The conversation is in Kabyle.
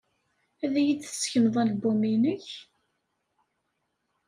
Ad iyi-d-tessekneḍ album-nnek?